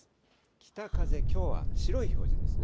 北風、きょうは白い表示ですね。